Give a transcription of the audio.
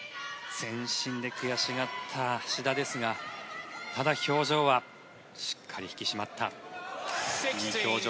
全身で悔しがった志田ですがただ、表情はしっかり引き締まったいい表情。